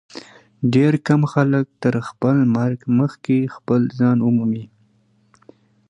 ډېر کم خلک تر خپل مرګ مخکي خپل ځان مومي.